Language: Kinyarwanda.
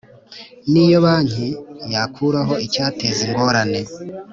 N Iyo Banki Yakuraho Icyateza Ingorane